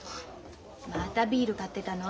またビール買ってたの？